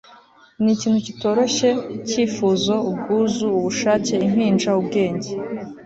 nikintu kitoroshye, cyifuzo, ubwuzu, ubushake, impinja, ubwenge